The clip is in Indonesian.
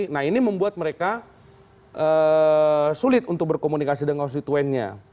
nah ini membuat mereka sulit untuk berkomunikasi dengan konstituennya